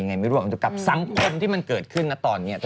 ไม่รู้ว่ามันจะกลับสังคมที่มันเกิดขึ้นนะตอนนี้